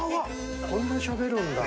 こんなしゃべるんだ。